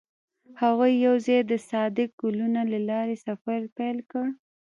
هغوی یوځای د صادق ګلونه له لارې سفر پیل کړ.